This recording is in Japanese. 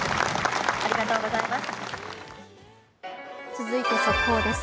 続いて速報です。